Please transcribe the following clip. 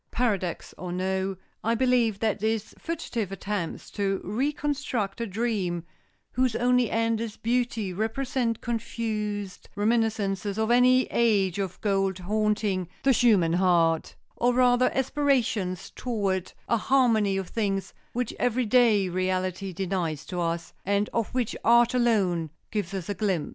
Paradox or no, I believe that these fugitive attempts to reconstruct a dream whose only end is beauty represent confused reminiscences of an age of gold haunting the human heart, or rather aspirations toward a harmony of things which every day reality denies to us, and of which art alone gives us a glimpse."